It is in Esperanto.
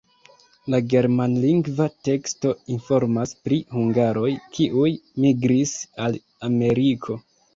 La germanlingva teksto informas pri hungaroj, kiuj migris al Ameriko.